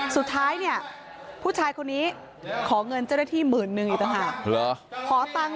สุดท้ายผู้ชายคนนี้ขอเงินเจ้าหน้าที่หมื่นนึงอยู่ต่าง